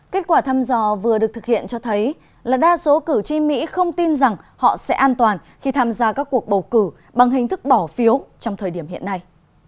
kết quả thăm dò vừa được thực hiện cho thấy là đa số cử tri mỹ không tin rằng họ sẽ an toàn khi tham gia các cuộc bầu cử bằng hình thức bỏ phiếu trong thời điểm hiện nay